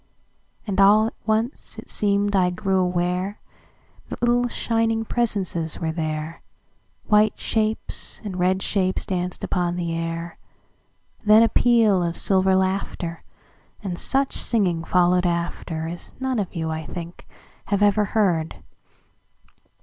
And all at once it seem'd I grew awareThat little, shining presences were there,—White shapes and red shapes danced upon the air; Then a peal of silver laughter, And such singing followed afterAs none of you, I think, have ever heard.